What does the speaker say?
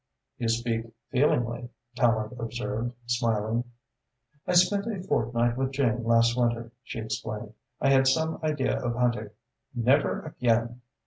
"You speak feelingly," Tallente observed, smiling. "I spent a fortnight with Jane last winter," she explains. "I had some idea of hunting. Never again!